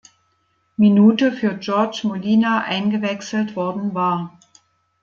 Minute für Jorge Molina eingewechselt worden war.